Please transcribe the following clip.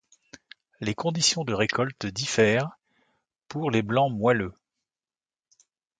Les conditions de récolte diffèrent pour les blancs moelleux.